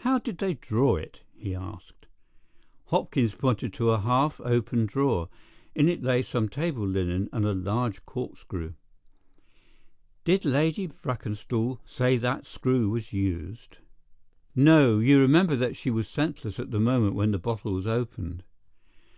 "How did they draw it?" he asked. Hopkins pointed to a half opened drawer. In it lay some table linen and a large corkscrew. "Did Lady Brackenstall say that screw was used?" "No, you remember that she was senseless at the moment when the bottle was opened."